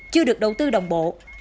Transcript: chưa được đầu tư đồng bộ